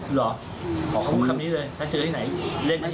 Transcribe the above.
หรืออ๋อคำนี้เลยถ้าเจอที่ไหนเล่นนี่นั่น